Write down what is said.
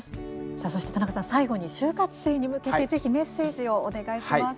さあ、そして田中さん最後に就活生に向けてぜひメッセージをお願いします。